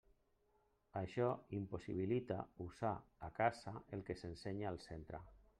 Això impossibilita usar a casa el que s'ensenya al centre.